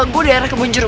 gue di area kebun jeruk